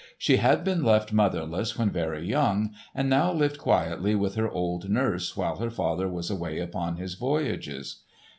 She had been left motherless when very young, and now lived quietly with her old nurse while her father was away upon his voyages.